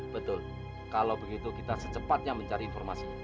betul kalau begitu kita secepatnya mencari informasi